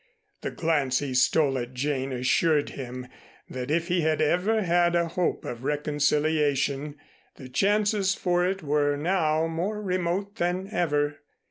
The glance he stole at Jane assured him that if he had ever had a hope of reconciliation, the chances for it were now more remote than ever.